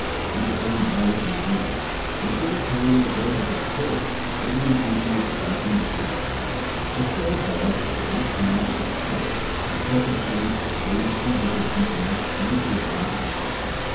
He became violently angry, and put his hand on the hilt of his sword with the inten tion of striking the Guru. The sword, however, would not come out of the scabbard, a circumstance which gave the fugitive Emperor time to repent of his haste.